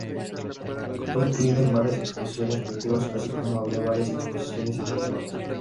Fue incluido en varias exposiciones colectivas, así como había varias exposiciones individuales.